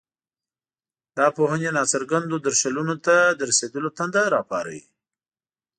دا پوهنې ناڅرګندو درشلونو ته د رسېدلو تنده راپاروي.